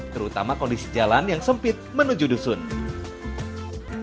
terutama kondisi jalan yang sempit menuju dusun